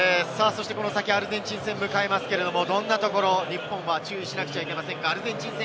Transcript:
この先アルゼンチン戦を迎えますが、どんなところ日本は注意しなくちゃいけませんか？